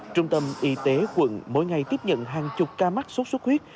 trung tâm y tế quận mỗi ngày tiếp nhận hàng chục ca mắc sốt xuất huyết